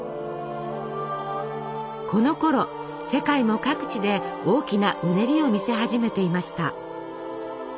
このころ世界も各地で大きなうねりを見せ始めていました。